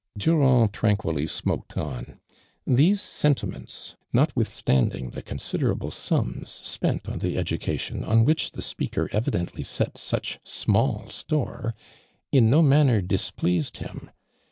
Durand tranquilly t nioked on. These sentiments, notwithstanding the considera ble sums spent on the ediicalion on whicli the speaker evidently set such small store, in no manner displease<l him.